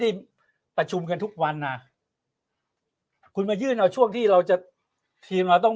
ประชุมกันทุกวันอ่ะคุณมายื่นเอาช่วงที่เราจะทีมเราต้อง